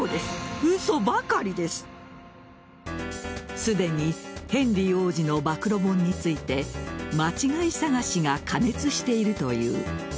すでにヘンリー王子の暴露本について間違い探しが過熱しているという。